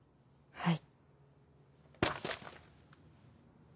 はい。